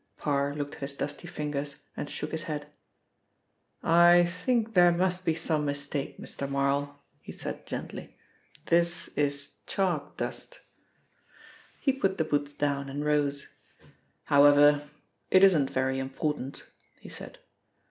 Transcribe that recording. Parr looked at his dusty fingers and shook his head. "I think there must be some mistake, Mr. Marl," he said gently. "This is chalk dust." He put the boots down and rose. "However, it isn't very important," he said.